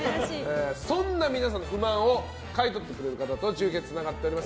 そんな皆さんの不満を買い取ってくれる方と中継がつながっております